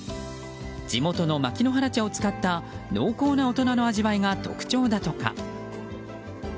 地元の牧之原茶を使った濃厚な大人の味わいが特徴だとか。